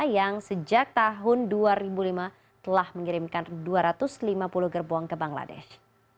yang sejak tahun dua ribu lima telah mengirimkan dua ratus lima puluh gerbong ke bangladesh